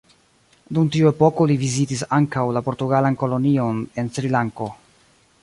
Dum tiu epoko li vizitis ankaŭ la portugalan kolonion en Srilanko.